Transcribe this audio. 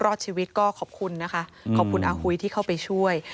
รอดชีวิตก็ขอบคุณนะคะขอบคุณอาหุยที่เข้าไปช่วย